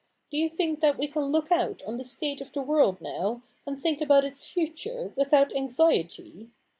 Do you think that we can look out on the state of the world now, and think about its future, without anxiety